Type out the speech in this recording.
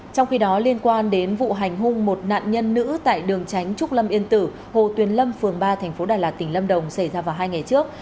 trong khi đó liên quan đến vụ hành hung một nạn nhân nữ tại đường tránh trúc lâm yên tử hồ tuyền lâm phường ba tp đà lạt tỉnh lâm đồng xảy ra vào hai ngày trước